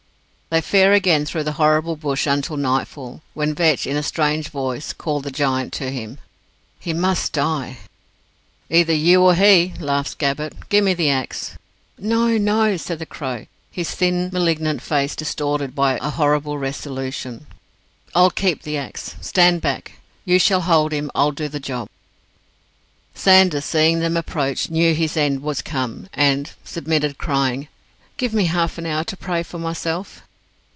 They fare again through the horrible bush until nightfall, when Vetch, in a strange voice, called the giant to him. "He must die." "Either you or he," laughs Gabbett. "Give me the axe." "No, no," said the Crow, his thin, malignant face distorted by a horrible resolution. "I'll keep the axe. Stand back! You shall hold him, and I'll do the job." Sanders, seeing them approach, knew his end was come, and submitted, crying, "Give me half an hour to pray for myself."